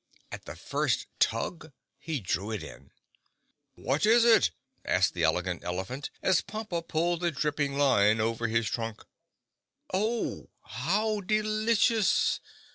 At the first tug he drew it in. "What is it?" asked the Elegant Elephant, as Pompa pulled the dripping line over his trunk. "Oh, how delicious!